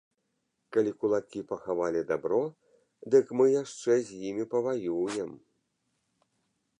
Калі кулакі пахавалі дабро, дык мы яшчэ з імі паваюем!